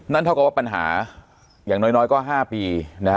เพราะว่าปัญหาอย่างน้อยก็๕ปี